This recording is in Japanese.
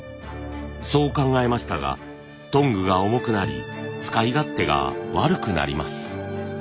そう考えましたがトングが重くなり使い勝手が悪くなります。